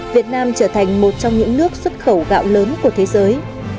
việt nam trở thành một trong những nước xuất khẩu gạo lớn của thế giới